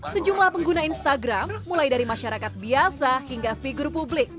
sejumlah pengguna instagram mulai dari masyarakat biasa hingga figur publik